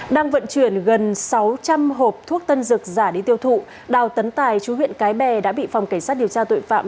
đang vận chuyển gần sáu trăm linh hộp thuốc tân dược giả đi tiêu thụ đào tấn tài chú huyện cái bè đã bị phòng cảnh sát điều tra tội phạm